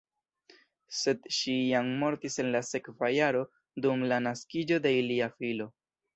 Sed ŝi jam mortis en la sekva jaro dum la naskiĝo de ilia filo.